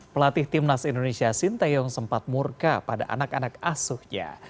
pelatih timnas indonesia sinteyong sempat murka pada anak anak asuhnya